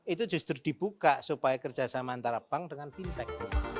itu justru dibuka supaya kerjasama antara bank dengan fintech